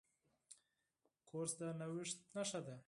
کورس د نوښت نښه ده.